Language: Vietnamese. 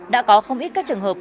đã có không ít các trường hợp